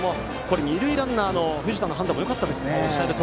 二塁ランナーの藤田の判断もよかったですね。